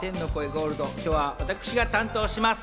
ゴールド、今日は私が担当します。